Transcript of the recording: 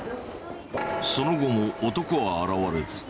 その後も男は現れず。